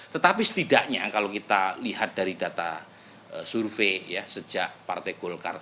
tetapi setidaknya kalau kita lihat dari data survei ya sejak partai golkar